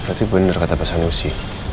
berarti benar kata pak sanusi